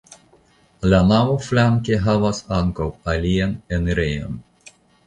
La navo flanke havas ankaŭ alian enirejon.